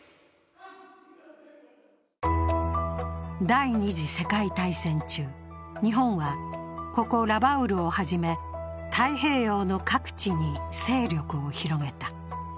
第二次世界大戦中、日本はここラバウルをはじめ太平洋の各地に勢力を広げた。